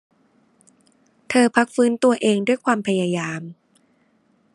เธอพักฟื้นตัวเองด้วยความพยายาม